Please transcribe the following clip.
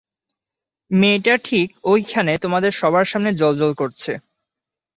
মেয়েটা ঠিক ঐখানে তোমাদের সবার সামনে জ্বলজ্বল করছে।